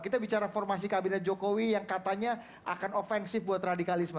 kita bicara formasi kabinet jokowi yang katanya akan ofensif buat radikalisme